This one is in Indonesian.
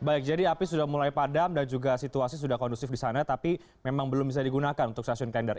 baik jadi api sudah mulai padam dan juga situasi sudah kondusif di sana tapi memang belum bisa digunakan untuk stasiun tender